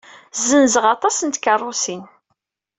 Ssenzeɣ aṭas n tkeṛṛusin.